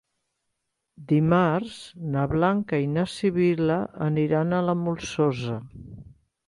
Dimarts na Blanca i na Sibil·la aniran a la Molsosa.